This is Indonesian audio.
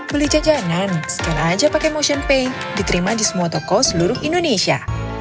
beli jajanan scan aja pakai motion pay diterima di semua toko seluruh indonesia